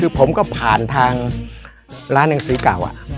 คือผมก็ผ่านทางร้านหนังสือเก่า